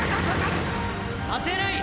させない！